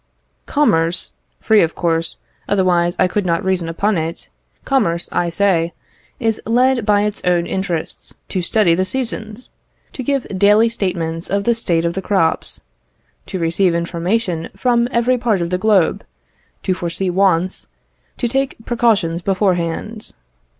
Commerce (free, of course, otherwise I could not reason upon it), commerce, I say, is led by its own interests to study the seasons, to give daily statements of the state of the crops, to receive information from every part of the globe, to foresee wants, to take precautions beforehand.